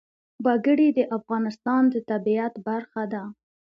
وګړي د افغانستان د طبیعت برخه ده.